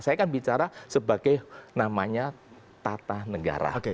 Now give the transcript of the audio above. saya kan bicara sebagai namanya tata negara